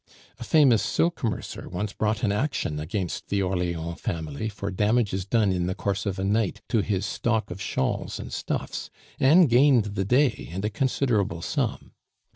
A famous silk mercer once brought an action against the Orleans family for damages done in the course of a night to his stock of shawls and stuffs, and gained the day and a considerable sum.